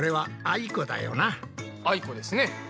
あいこですね。